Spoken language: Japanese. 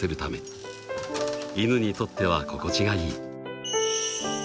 ［イヌにとっては心地がいい］